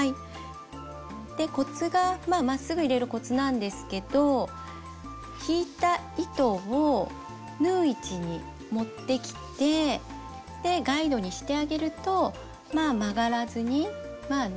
でコツがまっすぐ入れるコツなんですけど引いた糸を縫う位置に持ってきてでガイドにしてあげるとまあ曲がらずにまあ曲がりにくいですかね。